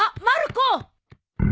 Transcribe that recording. まる子！